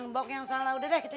pokoknya buat bang ramadi pasti